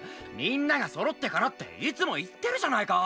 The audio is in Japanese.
皆が揃ってからっていつも言ってるじゃないか！